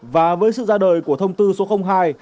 và với sự ra đời của thông tư số hai hai nghìn hai mươi ba